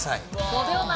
５秒前。